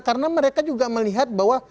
karena mereka juga melihat bahwa